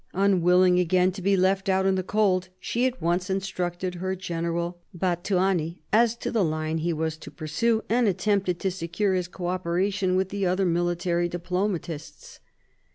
Unwilling again to be left out in the cold, she at once instructed her general, Bathyany, as to the line he was to pursue, and attempted to secure his co operation with the other military diplomatists.